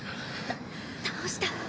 た倒した。